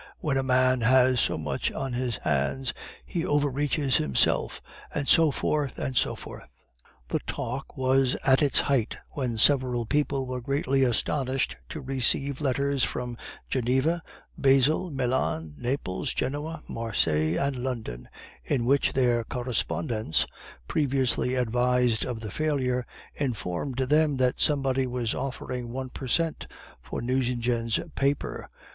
When a man has so much on his hands, he overreaches himself, and so forth, and so forth. "The talk was at its height, when several people were greatly astonished to receive letters from Geneva, Basel, Milan, Naples, Genoa, Marseilles, and London, in which their correspondents, previously advised of the failure, informed them that somebody was offering one per cent for Nucingen's paper!